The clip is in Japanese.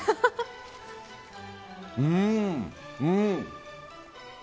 うん、うん。